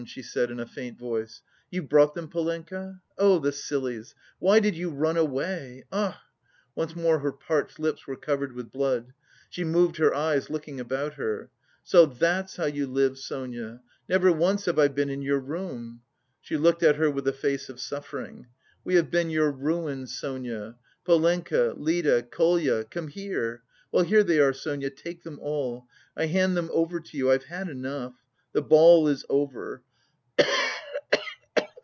she said in a faint voice. "You've brought them, Polenka? Oh the sillies! Why did you run away.... Och!" Once more her parched lips were covered with blood. She moved her eyes, looking about her. "So that's how you live, Sonia! Never once have I been in your room." She looked at her with a face of suffering. "We have been your ruin, Sonia. Polenka, Lida, Kolya, come here! Well, here they are, Sonia, take them all! I hand them over to you, I've had enough! The ball is over."